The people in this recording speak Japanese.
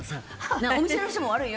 お店の人も悪いよ。